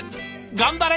頑張れ！